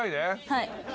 はい。